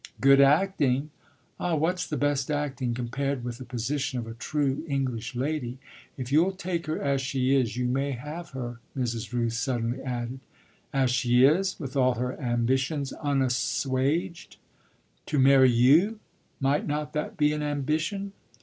"Good acting? Ah what's the best acting compared with the position of a true English lady? If you'll take her as she is you may have her," Mrs. Rooth suddenly added. "As she is, with all her ambitions unassuaged?" "To marry you might not that be an ambition?"